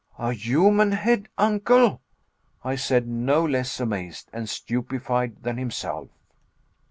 "A human head, Uncle!" I said, no less amazed and stupefied than himself.